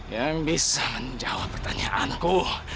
yang bisa menjawab pertanyaanku